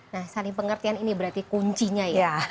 nah saling pengertian ini berarti kuncinya ya